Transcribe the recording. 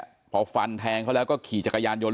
เนี่ยเพราะฟันทางเขาแล้วก็ขี่จักรยานยนต์